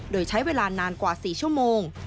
โดยใช้เวลานานกว่า๔ชั่วโมง